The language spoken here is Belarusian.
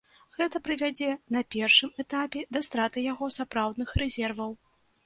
Гэта прывядзе на першым этапе да страты яго сапраўдных рэзерваў.